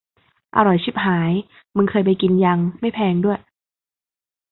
อร่อยชิบหาย มึงเคยไปกินยัง ไม่แพงด้วย